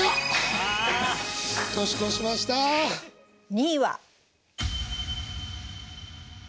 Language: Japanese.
２位は。